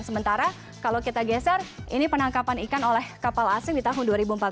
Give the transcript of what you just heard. sementara kalau kita geser ini penangkapan ikan oleh kapal asing di tahun dua ribu empat belas